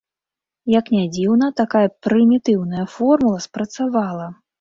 Як не дзіўна, такая прымітыўная формула спрацавала.